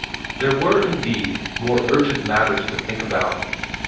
There were, indeed, more urgent matters to think about.